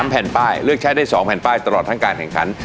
แผ่นป้ายเลือกใช้ได้๒แผ่นป้ายตลอดทั้งการแข่งขัน